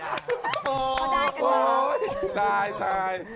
ได้กันมา